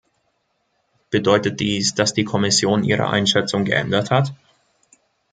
Bedeutet dies, dass die Kommission ihre Einschätzung geändert hat?